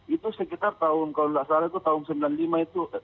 itu sekitar tahun kalau tidak salah itu tahun seribu sembilan ratus sembilan puluh lima itu